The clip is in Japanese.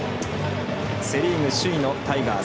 セ・リーグ首位のタイガース。